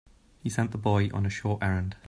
He sent the boy on a short errand.